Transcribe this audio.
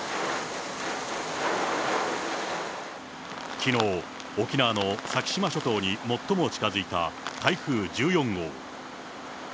きのう、沖縄の先島諸島に最も近づいた台風１４号。